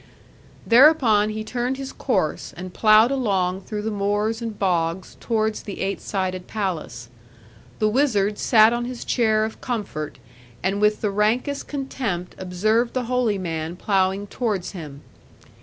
Thereupon he turned his course, and ploughed along through the moors and bogs, towards the eight sided palace. The wizard sat on his chair of comfort, and with the rankest contempt observed the holy man ploughing towards him.